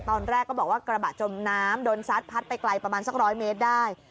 ตอนแรกก็บอกว่ากระบะจมน้ำโดนซัดพัดไปไกลประมาณสัก๑๐๐เมตรได้